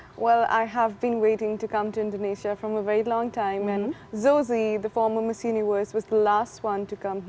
saya telah menunggu untuk datang ke indonesia dari lama lama dan zosy pemilik miss universe adalah yang terakhir yang datang ke sini